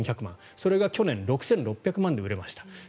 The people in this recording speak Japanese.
それが去年、６６００万で売れました。